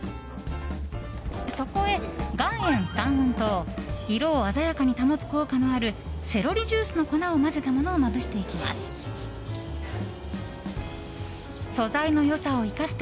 そこへ岩塩、三温糖色を鮮やかに保つ効果のあるセロリジュースの粉を混ぜたものをまぶしていきます。